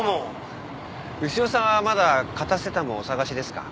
牛尾さんはまだカタセタムをお探しですか？